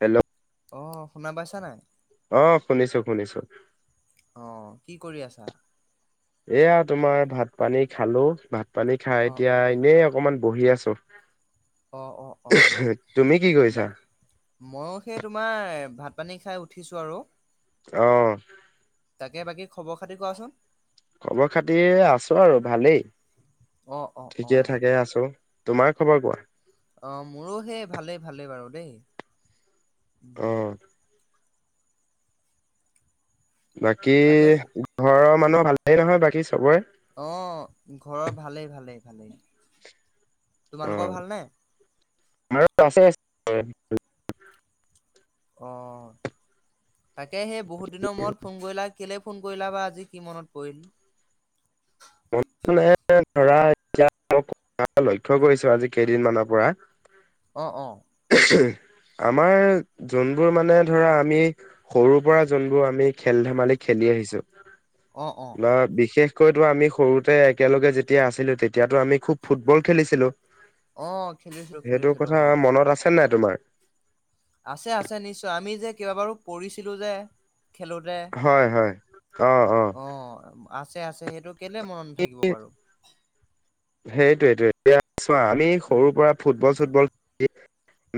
Hello! অঁ, শুনা পাইছা নাই? অঁ, শুনিছো, শুনিছো। অঁ, কি কৰি আছা? এয়া তোমাৰ ভাত পানী খালো। ভাত পানী খাই অহ এতিয়া অহ এনেই অ কমান বহি আছো। অহ অহ তুমি কি কৰিছা? মইয়ো সেই তোমাৰ ভাত পানী খাই উঠিছোঁ আৰু। অহ'। তাকে বাকী খবৰ খাতি কোৱাচোন? খবৰ খাতি আছো আৰু ভালেই, অহ অহ ঠিকে অহ থাকে আছো। তোমাৰ খবৰ কোৱা? অহ, মোৰো সেই ভালেই ভালেই বাৰু দেই। অ বাকী তাকে ঘৰৰ মানুহৰ ভালেই নহয় বাকী চবৰে? অঁহ', ঘৰত ভালেই, ভালেই, ভালেই। তোমালোকৰ অঁহ', ভালনে? [unintelligible] অ', তাকে সেই বহুত দিনৰ মূৰত ফোন কৰিলা কেলে ফোন ক ৰিলা বা আজি কি মনত পৰিল? [unintelligible] ধৰা [unintelligible] লক্ষ্য কৰিছো আজি কেইদিন মানৰ পৰা। অঁ, অঁ। আমাৰ যোনবোৰ মানে ধৰা আমি সৰু পৰা যোনবোৰ আমি খেল ধেমালি খেলি আহিছো অহ অহ বা বিশেষ কৈতো আমি সৰুতে একেলগে যেতিয়া আছিলো, তেতিয়াতো আমি খুব ফুটবল খেলিছিলো। অহ খেলিছিলোঁ সেইটো খেলিছিলোঁ কথা হয়। মনত আছে নাই তোমাৰ? আছে আছে নিশ্চয়, আমি যে কেইাবাৰো পৰিছিলো যে। খেলোঁতে, হয় হয় অ। আছে আছে সেইটো কেলে মনত নথাকিব বাৰু। সেইটোৱেইটো এতিয়া চোৱা আমি উম সৰু পৰা ফুটবল- চুটবল খেলি।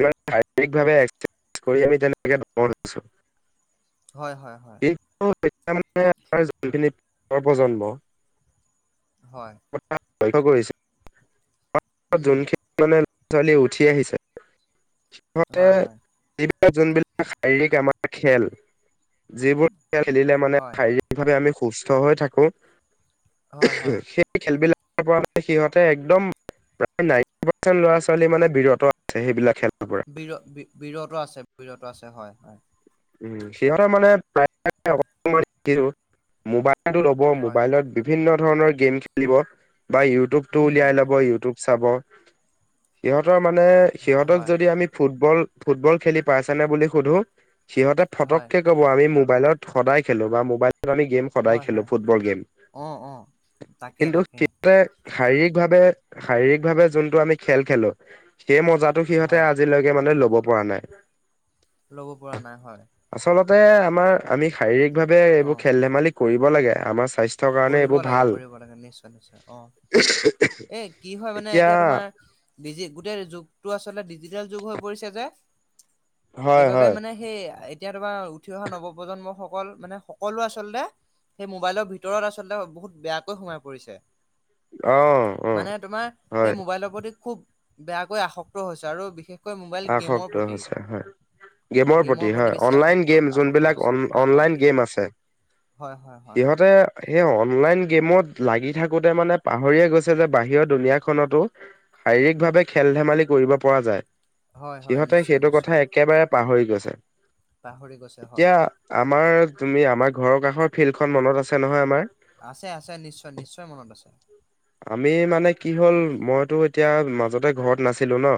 আমি শাৰীৰিক ভাৱে এক্সচেচ কৰি আহি তেনেকে। হয় হয় হয়। মানে আমাৰ যোনখিনি আগৰ প্ৰজন্ম। হয়'। উম যোনখিনি মানে ল'ৰা ছোৱালী উঠি আহিছে। সিহঁতে হয় হয় যোনবিলাক শাৰীৰিক আমাৰ খেল। যিবোৰ খেল খেলিলে মানে হয় শাৰীৰিকভাৱে আমি সুস্থ হৈ থাকোঁ। হয় হয় সেই খেলবিলাকৰ পৰা সিহঁতে একদম। প্ৰায় নাইনটি পাৰ্চেণ্ট ল'ৰা ছোৱালী মানে বিৰত আছে সেইবিলাক খেলপাকত। বিৰ বিৰত আছে বিৰত আছে হয় হয়। সিহঁতে মানে উম, প্ৰায় মোবাইলটো ল'ব হয় মোবাইলত। বিভিন্ন ধৰণৰ গেম খেলিব, বা ইউটিউবটো উম উলিয়াই ল'ব ইউটিউব চাব। সিহঁতৰ মানে হয় সিহঁতক হয় যদি আমি ফুটবল ফুটবল খেলি পাইছনে বুলি সুধো। সিহঁতে হয় ফটককে ক'ব আমি মোবাইলত সদায় খেলো, বা মোবাইলত আমি গেম। সদায় হয় খেলো হয় ফুটবল গেম, অ অ তাকে কিন্তু। তাকে মানে শাৰীৰিক ভাৱে শাৰীৰিক ভাৱে যোনটো আমি খেল খেলো সেই মজাত। টো সিহঁতে হয় আজিলৈকে মানে ল'ব পৰা নাই। ল'ব পৰা নাই হয়। আচলতে আমাৰ আমি শাৰীৰিক ভাৱে অ এইবোৰ খেল ধেমালি কৰিব লাগে, আমাৰ স্বাস্থ্য। কৰিব লাগে, কৰিব লাগে, নিশ্চয় নিশ্চয় অহ', এ কি হয় মানে এতিয়া তোমাৰ। ডিজি গোটেই যুগটো আচলতে ডিজিটেল যুগ হৈ পৰিছে যে, হয় সেইবাবে হয় মানে। সেই এতিয়া তোমাৰ উঠি অহা নৱপ্ৰজন্ম সকল মানে, সকলো আচলতে সেই মোবাইলৰ ভিতৰত। ভিতৰত আচলতে বহুত বেয়াকৈ সোমাই পৰিছে। অ' অ' মানে তোমাৰ হয় সেই মোবাইলৰ প্ৰতি খুব বেয়াকৈ আসক্ত হৈছে আৰু বিশেষ। কৈ মোবাইল গেমৰ আসক্ত প্ৰতি। হৈছে হয়। গে'মৰ হয় প্ৰতি বেছি অনলাইন আসক্ত গেম যোনবিলাক আসক্ত অন হৈছে হয় হয়। অনলাইন গেম হয়', হয়', হয়'। এই অনলাইন গেমত লাগি থাকোতে মানে পাহৰিয়ে গৈছে, যে বাহিৰৰ দুুনীয়া খনতো। শাৰীৰিক ভাৱে খেল ধেমালি কৰিব পৰা যায়। হয় হয় সিহঁতে নিশ্চয় সেইটো কথা নিশ্চয় একেবাৰে পাহৰি গৈছে পাহৰি গৈছে হয় এতিয়া। আমাৰ তুমি আমাৰ ঘৰৰ কাষৰ ফিল্ডখন মনত আছে নহয় আমাৰ। আছে আছে নিশ্চয় নিশ্চয় মনত আছে। আমি মানে কি হ'ল মইতো এতিয়া মাজতে ঘৰত নাছিলো ন।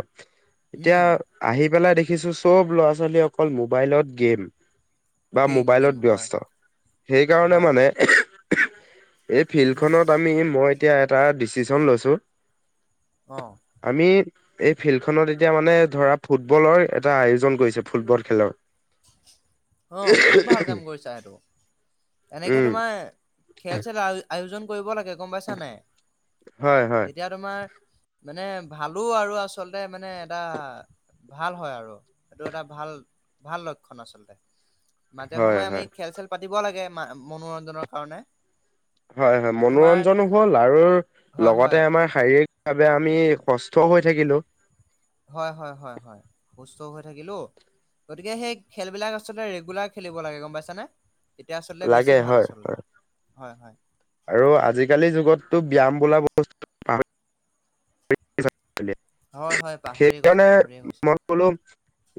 উম এতিয়া আহি পেলাই দেখিছো চব ল'ৰা -ছোৱালী অকল মোবাইলত গেম। বা গেম গেম মোবাইলত হয় ব্যস্ত সেইকাৰণে হয় মানে। এই উম ফিল্ডখনত আমি মই এতিয়া এটা ডিচিশন লৈছোঁ। অ', আমি এই ফিল্ড খনত। এতিয়া মানে ধৰা ফুটবলৰ এটা আয়োজন কৰিছে ফুটবল খেলৰ। অ', খুব ভাল কাম কৰিছা সেইটো। এনেকে উম, তোমাৰ খেল চেল আয়োজন কৰিব লাগে, গম পাইছা নাই। হয় হয়, তেতিয়া তোমাৰ মানে ভালো, আৰু আচলতে মানে এটা ভাল হয় আৰু এইটো এটা ভাল ভাল লক্ষণ আচলতে। মাজে হয় সময়ে আমি হয়। খেল চেল পাতিব লাগে, ম মনোৰঞ্জনৰ কাৰণে। হয় হয়, তোমাৰ মনোৰঞ্জনো হ'ল, আৰু হয় হয় লগতে আমাৰ শাৰীৰিক বাবে আমি সুস্থ হৈ থাকিলো হয় হয় হয় হয় সুস্থও হৈ থাকিলো গতিকে সেই খেলবিলাক আচলতে ৰেগুলাৰ খেলিব লাগে গম পাইছানে তেতিয়া আচলতে বেছি লাগে ভাল হয় আচলতে হয় হয় হয় আৰু আজিকালি যুগতো ব্যয়ায়াম বোলা বস্তু হয় হয় পাহৰিয়ে গৈছে পাহৰিয়ে গৈছে হলো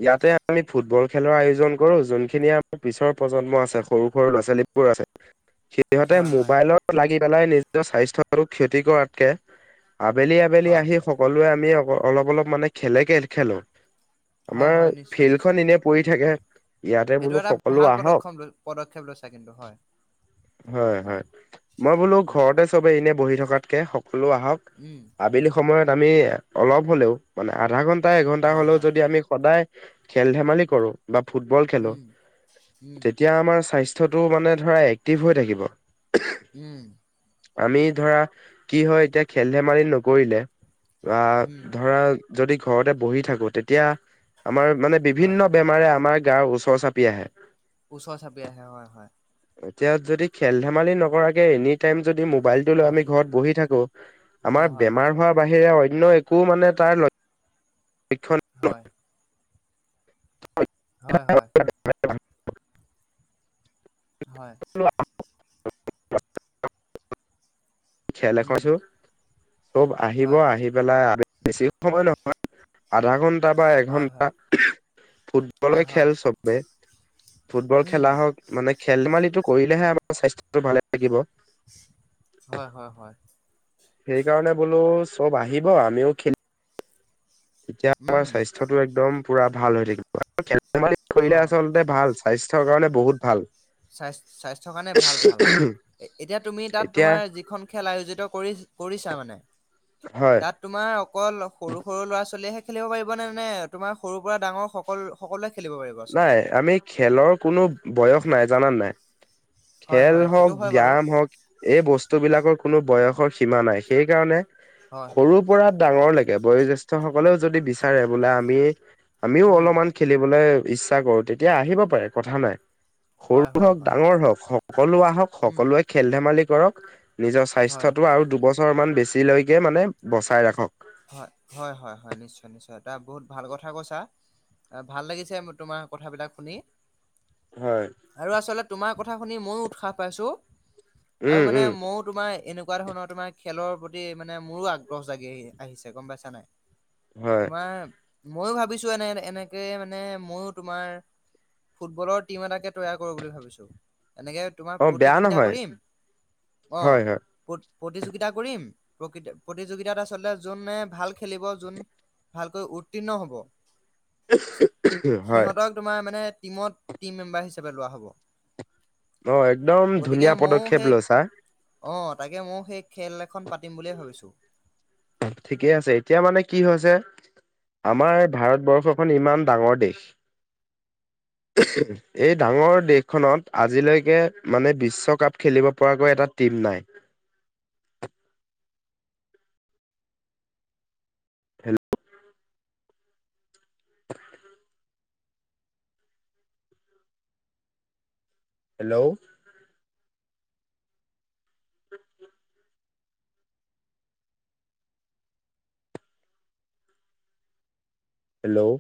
ইয়াতে আমি ফুটবল খেলৰ আয়োজন কৰো যোনখিনি আমাৰ পিছৰ প্ৰজন্ম আছে সৰু সৰু ল'ৰা ছোৱালী বোৰ আছে সিহঁতে হয় হয় মোবাইলত লাগি পেলাই নিজৰ স্বাস্থ্যটো ক্ষতি কৰাতকে আবেলি আবেলি হয় আহি সকলোৱে আমি অলপ অলপ মানে খেলে কে খেলো হয় আমাৰ হয় নিশ্চয় ফিল্ড খন নিশ্চয় এনে পৰি থাকে ইয়াতে সেইটো বোলো এটা সকলো ভাল আহক পদক্ষপ ল পদক্ষেপ লৈছে কিন্তু হয় হয় হয় মই বোলো অ ঘৰতে চবে এনে বহি থকাতকে সকলো আহক উম আবেলি সময়ত আমি অলপ হ'লেও মানে আধা ঘন্টা এঘন্টা হয় হ'লেও হয় যদি আমি সদায় খেল ধেমালি কৰো বা ফুটবল খেলো উম উম তেতিয়া আমাৰ স্বাস্থ স্বাস্থ্যটো মানে ধৰা এক্টিভ হৈ থাকিব উম আমি ধৰা কি হয় এতিয়া খেল ধেমালি নকৰিলে বা উম ধৰা যদি ঘৰতে বহি থাকো তেতিয়া আমাৰ মানে হয় বিভিন্ন বেমাৰে আমাৰ গাৰ ওচৰ চাপি আহে ওচৰ চাপি আহে হয় হয় এতিয়া যদি খেল ধেমালি নকৰাকে এনি টাইম যদি মবাইল লৈ হয় আমি ঘৰত বহি থাকো হয় আমাৰ হয় বেমাৰ হোৱাৰ বাহিৰে অন্য একো মানে তাৰ শিক্ষণ হয় হয় হয় স্চম হয় খেল উম এখনছো চব আহিব হয় আহি পেলাই বেছি সময় নহয় আধা ঘন্টা বা হয় এঘন্টা হয় ফুটবলে হয় হয় খেল চবে ফুটবল উম খেলা হওক মানে খেল ধেমালিটো কৰিলেহে আমাৰ স্বাস্থ্যটো ভালে লাগিব হয় হয় হয় সেইকাৰণে বোলো চব আহিব আমিও খেলি তেতিয়া আমাৰ উম স্বাস্থ্যতটো একদম পুৰা ভাল হৈ থাকিব আৰু খেল ধেমালি অ কৰিলে আচলতে তে ভাল স্বাস্থ্যৰ কাৰণে বহুত ভাল স্বাস্থ্য স্বাস্থ্যৰ কাৰণে ভাল ভাল এ এতিয়া তুমি তাত এতিয়া তোমাৰ যিখন খেল আয়োজিত কৰি কৰিছা মানে হয় তাত তোমাৰ অকল সৰু সৰু ল'ৰা ছোৱালীয়েহে খেলিব পাৰিবনে নে তোমাৰ সৰুৰ পৰা ডাঙৰ সকল সকলোৱে খেলিব পাৰিব? আচলতে? নাই আমি খেলৰ কোনো বয়স নাই জানা নাই। হয় খেল হয় হওক, সেইটো হয় বাৰু। গোম হওক, এই বস্তু বিলাকৰ কোনো বয়সৰ সীমা নাই, সেইকাৰণে হয় হয় সৰু পৰা ডাঙৰ লাগে বয়োজেষ্ঠ সকলেও যদি বিচাৰে বোলে আমি আমিও উম অলপমান খেলিবলৈ ইচ্ছা কৰো তেতিয়া আহিব পাৰে কথা নাই। হয় সৰু হয় হওক, হয় ডাঙৰ হওক সকলো আহক, উম সকলোৱে খেল ধেমালি কৰক, নিজৰ হয়। স্বাস্থ্যটো আৰু দুবছৰমান বেছিলৈকে মানে বচাই ৰাখক। হয়-হয়-হয়-হয় নিশ্চয় নিশ্চয় এটা বহুত ভাল কথা কৈছা। ভাল লাগিছে মোৰ তোমাৰ কথাবিলাক শুনি হয় আৰু আচলতে তোমাৰ কথা শুনি মইও উৎসাহ পাইছো আৰু উম মানে উম মইয়ো তোমাৰ এনেকুৱা ধৰণৰ তোমাৰ খেলৰ প্ৰতি মানে মোৰো আগ্ৰহ জাগি আহি আহিছে গম পাইছা নাই। হয় তোমাৰ ময়ো ভাবিছো এনে এনেকে মানে মইয়ো তোমাৰ ফুটবলৰ টিম এটাকে তৈয়াৰ কৰোঁ বুলি ভাবিছোঁ। এনেকে তোমাৰ অ বেয়া প্ৰতিযোগিতা নহয় কৰিম অ। হয় হয় প্ৰতিযোগিতা কৰিম প্ৰতি প্ৰতিযোগিতাত আচলতে যোনে ভাল খেলিব, যোন ভালকৈ উত্তীৰ্ণ হ'ব হয় সিহঁতক তোমাৰ মানে টিমত টিম মেম্বাৰ হিচাপে লোৱা হ'ব। অ একদম গতিকে ধুনীয়া ময়ো পদক্ষেপ সেই লৈছা। অ তাকে ময়ো সেই খেল এখন পাতিম বুলিয়ে ভাবিছোঁ। ঠিকে আছে এতিয়া মানে কি হৈছে আমাৰ ভাৰতবৰ্ষ খন ইমান ডাঙৰ দেশ এই ডাঙৰ দেশখনত আজিলৈকে মানে বিশ্বকাপ খেলিব পৰাকৈ এটা টিম নাই। Hello [unintelligible] hello. হেল্ল'।